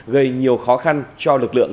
gây nhiều khó khăn cho lực lượng